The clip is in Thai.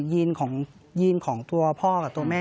ยีนของตัวพ่อกับตัวแม่